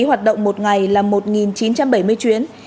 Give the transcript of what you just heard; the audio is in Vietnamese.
hoạt động một ngày là một chín trăm bảy mươi chuyến